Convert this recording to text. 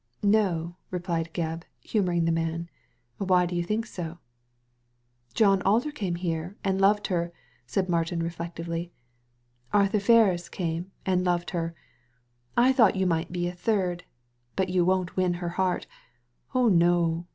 •* No," replied Gebb, humouring the maa " Why do you think so ?" "John Alder came here and loved her," said Martin, reflectively. "Arthur Ferris came and loved her. I thought you might be a third But you won't win her heart — oh no!